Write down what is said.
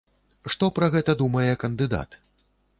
Што пра гэта думае кандыдат?